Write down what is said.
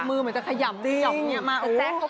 ก็ดูไม่โอเคนะ